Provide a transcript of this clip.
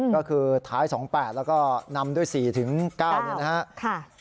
ก็คือท้าย๒๘แล้วก็นำด้วย๔๙เนี่ยนะครับ